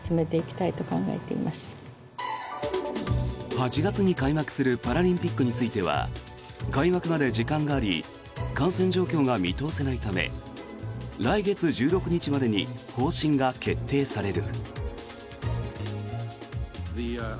８月に開幕するパラリンピックについては開幕まで時間があり感染状況が見通せないため来月１６日までに方針が決定される。